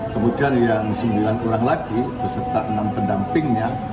kemudian yang sembilan orang lagi beserta enam pendampingnya